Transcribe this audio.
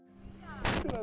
peningkatan triple gold